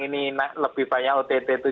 ini lebih banyak ott